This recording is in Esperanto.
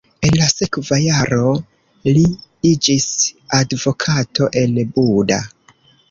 En la sekva jaro li iĝis advokato en Buda.